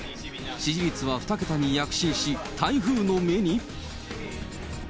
支持率は２桁に躍進し、台風の目に？